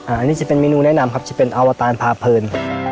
อันนี้จะเป็นเมนูแนะนำครับจะเป็นอวตารพาเพลิน